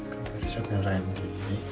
kau bisa merahin diri